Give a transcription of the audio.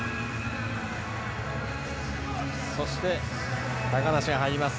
そして、高梨が入ります。